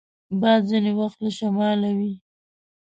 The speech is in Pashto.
باد ځینې وخت له شماله وي